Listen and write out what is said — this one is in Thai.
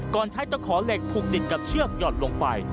ใช้ตะขอเหล็กผูกติดกับเชือกหย่อนลงไป